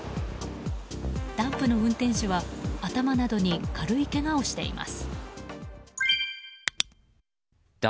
ダンプの運転手は頭などに軽いけがをしています。